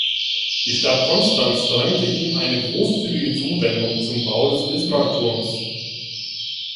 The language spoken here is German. Die Stadt Konstanz verdankte ihm eine großzügige Zuwendung zum Bau des Bismarckturms.